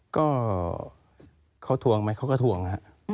ก็เขาทวงไหมเขาก็ทวงฮะ